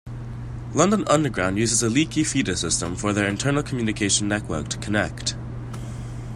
London Underground uses a leaky feeder system for their internal communication network "Connect".